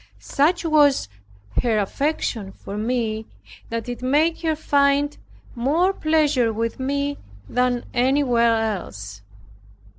Such was her affection for me that it made her find more pleasure with me than anywhere else.